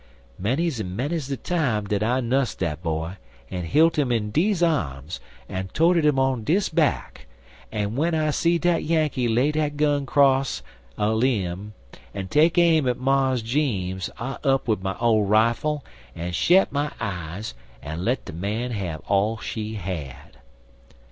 Many's en many's de time dat I nuss dat boy, en hilt 'im in dese arms, en toted 'im on dis back, en w'en I see dat Yankee lay dat gun 'cross a lim' en take aim at Mars Jeems I up wid my ole rifle, en shet my eyes en let de man have all she had."